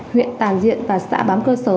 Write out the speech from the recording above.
huyện tàn diện và xã bám cơ sở